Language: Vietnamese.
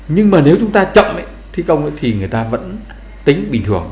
nhưng mà nếu chúng ta chậm thi công thì người ta vẫn tính bình thường